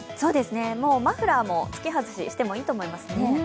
もうマフラーも着け外ししてもいいと思いますね。